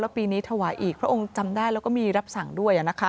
ปีนี้ถวายอีกพระองค์จำได้แล้วก็มีรับสั่งด้วย